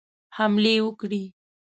حملې وکړي.